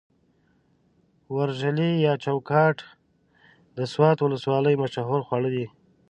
ورژلي يا چوکاڼ د سوات ولسوالۍ مشهور خواړه دي.